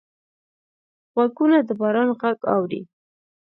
غوږونه د باران غږ اوري